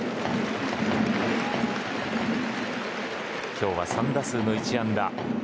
今日は３打数の１安打。